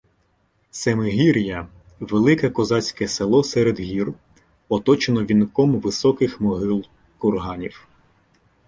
Семигір'я — велике козацьке село серед гір, оточене вінком високих мо- гил-курганів.